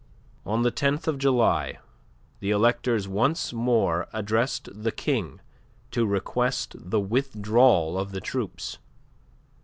On the 10th of July the electors once more addressed the King to request the withdrawal of the troops.